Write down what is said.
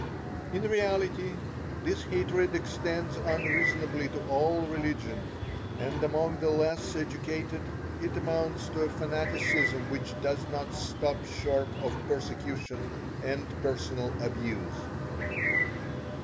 In reality, this hatred extends unreasonably to all religion, and among the less educated it amounts to a fanaticism which does not stop short of persecution and personal abuse.